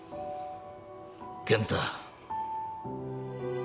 健太。